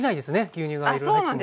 牛乳がいろいろ入ってても。